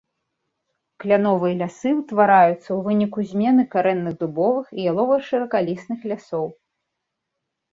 Кляновыя лясы ўтвараюцца ў выніку змены карэнных дубовых і ялова-шыракалістых лясоў.